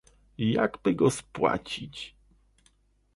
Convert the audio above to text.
Jak by go spłacić?